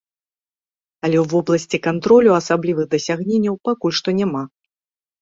Але ў вобласці кантролю асаблівых дасягненняў пакуль што няма.